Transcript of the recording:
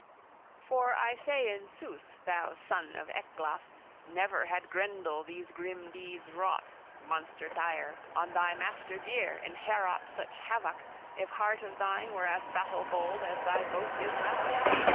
For I say in sooth, thou son of Ecglaf, never had Grendel these grim deeds wrought, monster dire, on thy master dear, in Heorot such havoc, if heart of thine were as battle bold as thy boast is loud!